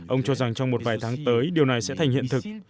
ông cho rằng trong một vài tháng tới điều này sẽ thành hiện thực